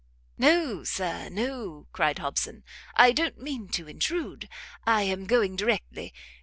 "No, Sir, no," cried Hobson, "I don't mean to intrude, I am going directly.